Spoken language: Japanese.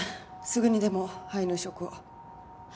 すぐにでも肺の移植を。